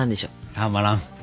たまらん。